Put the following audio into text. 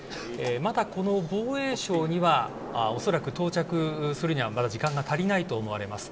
まだ防衛省には恐らく到着するにはまだ時間が足りないと思われます。